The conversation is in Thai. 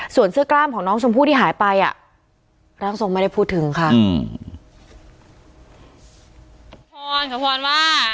ส่วนเสื้อกล้ามของน้องชมพู่ที่หายไปอ่ะร่างทรงไม่ได้พูดถึงค่ะอืม